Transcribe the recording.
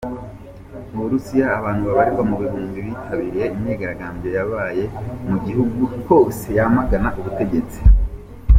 Mu Burusiya abantu babarirwa mu bihumbi bitabiriye imyigaragambyo yabaye mu gihugu hose yamagana ubutegetsi.